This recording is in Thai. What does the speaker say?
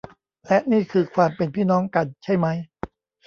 และนี่คือความเป็นพี่น้องกัน ใช่มั้ย